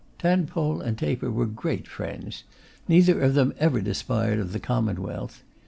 Tadpole and Taper were great friends. Neither of them ever despaired of the Commonwealth.